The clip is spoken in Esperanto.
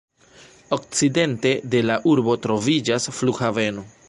Okcidente de la urbo troviĝas flughaveno.